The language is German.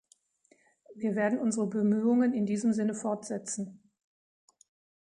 Wir werden unsere Bemühungen in diesem Sinne fortsetzen.